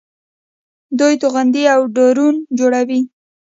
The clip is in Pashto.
دوی توغندي او ډرون جوړوي.